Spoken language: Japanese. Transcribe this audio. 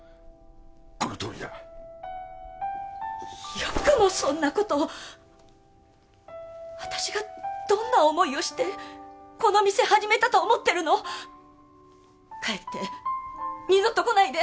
このとおりだよくもそんなこと私がどんな思いをしてこの店始めたと思ってるの帰って二度と来ないで！